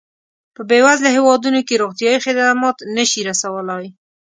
په بېوزله هېوادونو کې روغتیایي خدمات نه شي رسولای.